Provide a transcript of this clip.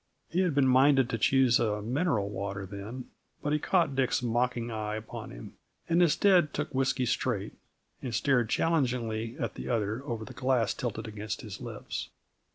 He had been minded to choose a mineral water then, but he caught Dick's mocking eye upon him, and instead took whisky straight, and stared challengingly at the other over the glass tilted against his lips.